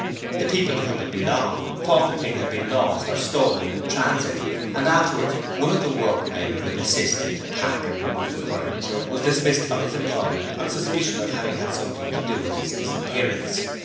The people to whom it belonged thought the thing had been lost or stolen in transit, and afterwards one of the workmen who had assisted to pack and remove the furniture was dismissed from his employment on suspicion of having had something to do with its disappearance.